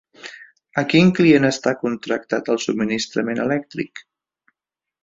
A quin client està contractat el subministrament elèctric?